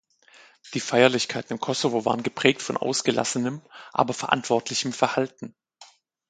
Die Feierlichkeiten im Kosovo waren geprägt von ausgelassenem, aber verantwortlichem Verhalten.